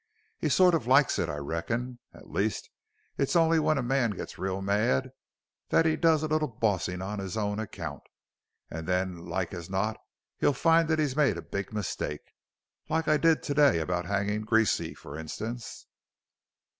He sort of likes it, I reckon. At least it's only when a man gets real mad that he does a little bossin' on his own account. And then, like as not, he'll find that he's made a big mistake. Like I did to day about hangin' Greasy, for instance."